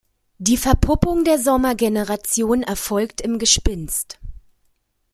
Die Verpuppung der Sommergeneration erfolgt im Gespinst.